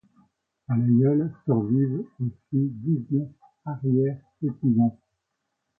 À l'aïeule survivent aussi dix-neuf arrière-petits-enfants.